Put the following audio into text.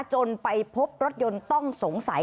จนไปพบรถยนต์ต้องสงสัย